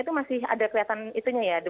itu masih ada kelihatan itunya ya